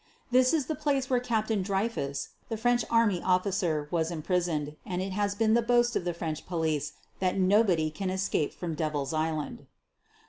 This is the place where Captain Dreyfus, the French army of ficer, was imprisoned, and it has been the boast of the French police that nobody can escape from Devil's Island.